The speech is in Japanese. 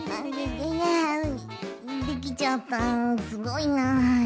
できちゃったすごいなあ。